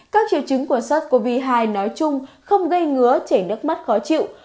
các triệu chứng của sars cov hai nói chung không gây ngứa chảy nước mắt khó chịu